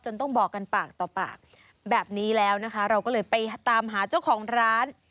ต้องบอกกันปากต่อปากแบบนี้แล้วนะคะเราก็เลยไปตามหาเจ้าของร้าน